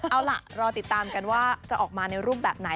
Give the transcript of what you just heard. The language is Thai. เอาล่ะรอติดตามกันว่าจะออกมาในรูปแบบไหน